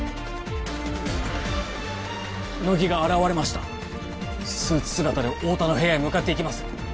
乃木が現れましたスーツ姿で太田の部屋へ向かっていきます